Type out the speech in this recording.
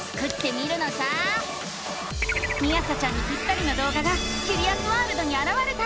みあさちゃんにぴったりの動画がキュリアスワールドにあらわれた！